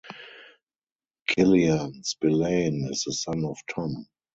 Killian Spillane is the son of Tom.